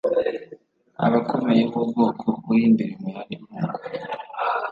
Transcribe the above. abakomeye b’ubwoko buri imbere mu yandi moko